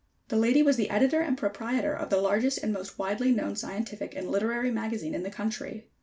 The lady was the editor and proprietor of the largest and most widely known scientific and literary magazine in the country.